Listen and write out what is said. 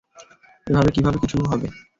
এভাবে কিভাবে কিছু হবে?